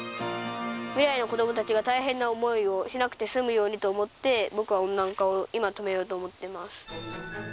未来の子どもたちが大変な思いをしなくて済むようにと思って、僕は温暖化を今止めようと思っています。